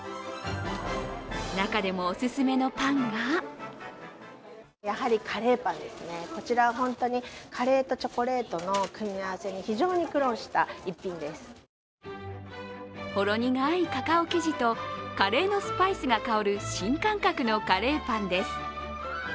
中でもおすすめのパンがほろ苦いカカオ生地とカレーのスパイスが香る新感覚のカレーパンです。